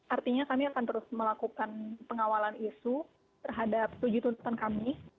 artinya kami akan terus melakukan pengawalan isu terhadap tujuh tuntutan kami